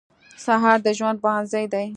سهار د ژوند پوهنځی دی.